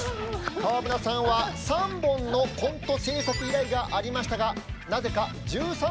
川村さんは３本のコント制作依頼がありましたがなぜか１３本書いてきたそうです。